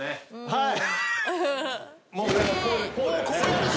はい。